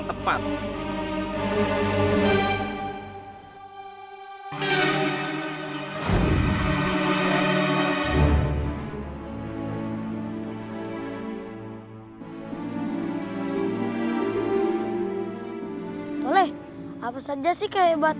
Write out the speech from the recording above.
t awfully apes anja sih kayak buat